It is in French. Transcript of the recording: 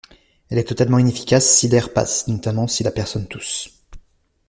Elle est totalement inefficace si l'air passe, notamment si la personne tousse.